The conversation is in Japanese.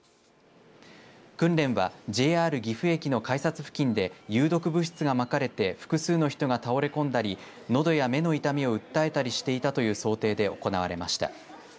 訓練はＪＲ岐阜駅の改札付近で有毒物質がまかれて複数の人が倒れこんだりのどや目の痛みを訴えたりしていたという想定で行われました。